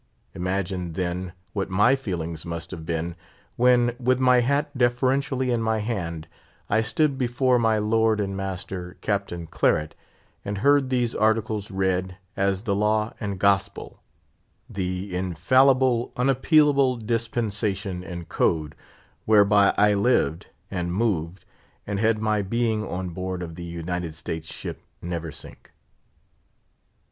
Imagine, then, what my feelings must have been, when, with my hat deferentially in my hand, I stood before my lord and master, Captain Claret, and heard these Articles read as the law and gospel, the infallible, unappealable dispensation and code, whereby I lived, and moved, and had my being on board of the United States ship Neversink.